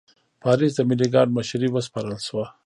پاریس د ملي ګارډ مشري وسپارل شوه.